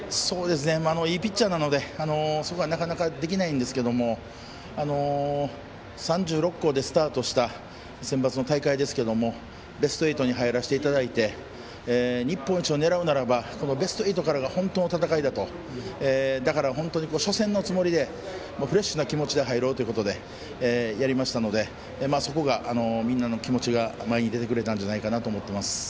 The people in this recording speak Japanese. いいピッチャーなのでそこはなかなかできないんですが３６校でスタートしたセンバツの大会ですけどもベスト８に入らせていただいて日本一を狙うならベスト８からが本当の戦いだとだから初戦のつもりでフレッシュな気持ちで入ろうという気持ちでやりましたのでそこがみんなの気持ちが前に出てくれたんじゃないかと思います。